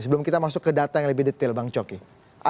sebelum kita masuk ke data yang lebih detail bang coki